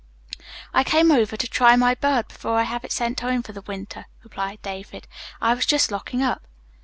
"I came over to try my bird before I have it sent home for the winter," replied David. "I was just locking up."